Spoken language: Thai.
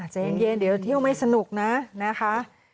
ใจเย็นเดี๋ยวเที่ยวไม่สนุกนะนะคะ